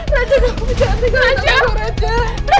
raja aku bisa tinggal di tempatmu raja